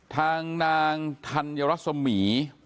ทางนางทันยารสมี